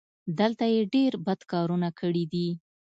دلته یې ډېر بد کارونه کړي دي.